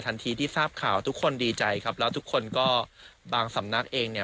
ที่ทราบข่าวทุกคนดีใจครับแล้วทุกคนก็บางสำนักเองเนี่ย